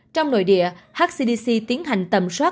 trong nội địa hcdc tiến hành tầm soát